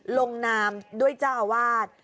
ลงนามด้วยเจ้าอาวาส